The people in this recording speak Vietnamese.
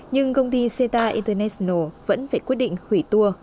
nhưng công ty ceta international vẫn phải quyết định hủy tour